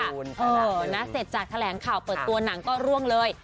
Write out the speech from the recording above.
เออนะเสร็จจากแถลงข่าวเปิดตัวหนังก็ร่วงเลย